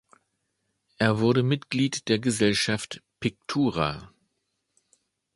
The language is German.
Er wurde Mitglied der Gesellschaft „Pictura“.